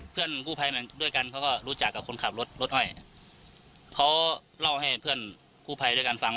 เพื่อนกู้ภัยด้วยกันกองรู้จักกับคนขับรถอ้อยเค้าเล่าเพื่อเพื่อนกู้ภัยโดยกันฟัง